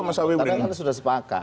karena kami sudah sepakat